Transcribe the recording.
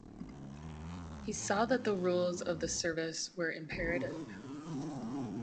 He saw that the rules of the service were imperative.